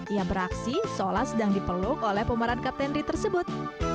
ia beraksi seolah sedang dipeluk oleh pemeran kapten ri tersebut